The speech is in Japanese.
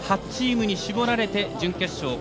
８チームに絞られて準決勝